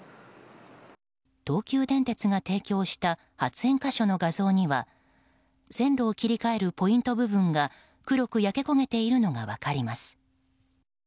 東急電鉄が提供した発煙箇所の画像には線路を切り替えるポイント部分が黒く焼け焦げているのが分かります。